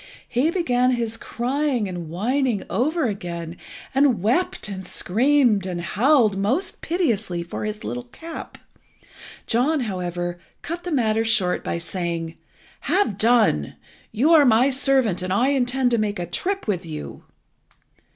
He began his crying and whining over again, and wept and screamed and howled most piteously for his little cap. John, however, cut the matter short by saying "Have done. You are my servant, and I intend to make a trip with you."